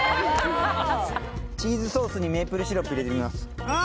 チーズソースにメープルシロップ入れてみますああ